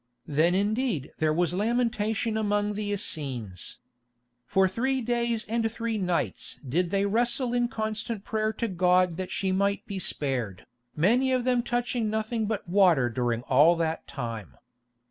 Then indeed there was lamentation among the Essenes. For three days and three nights did they wrestle in constant prayer to God that she might be spared, many of them touching nothing but water during all that time.